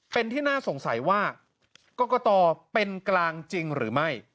เป็นที่น่าสงสัยว่ากรกตเป็นกลางจริงหรือไม่